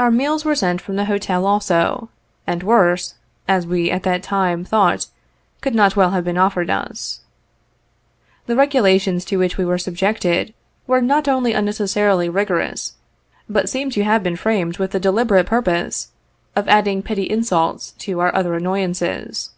Our meals were sent from the Hotel also, and worse, as we at that time thought, could not well have been offered us. The regula tions to which we were subjected, were not only unnecessa rily rigorous, but seemed to have been framed with the deliberate purpose of adding petty insults to our other annoyances.